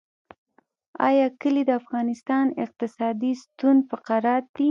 آیا کلي د افغانستان اقتصادي ستون فقرات دي؟